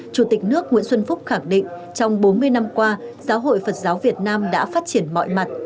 chủ tịch nước nguyễn xuân phúc khẳng định trong bốn mươi năm qua giáo hội phật giáo việt nam đã phát triển mọi mặt